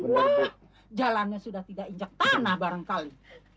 wah jalannya sudah tidak injak tanah barangkali